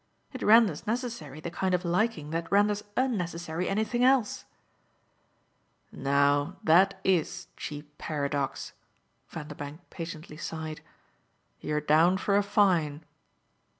It renders necessary the kind of liking that renders unnecessary anything else." "Now that IS cheap paradox!" Vanderbank patiently sighed. "You're down for a fine."